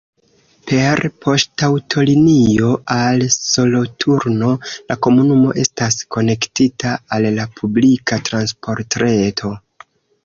Per poŝtaŭtolinio al Soloturno la komunumo estas konektita al la publika transportreto.